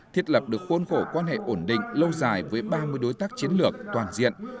thiết lập được khuôn khổ quan hệ ổn định lâu dài với ba mươi đối tác chiến lược toàn diện